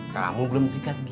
kamu belum sikat gigi